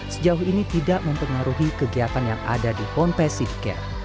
sejauh ini tidak mempengaruhi kegiatan yang ada di ponpesifikasi